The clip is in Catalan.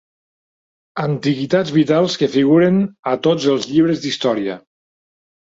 Antiguitats vitals que figuren a tots els llibres d'història.